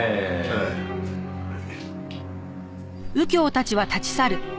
ええはい。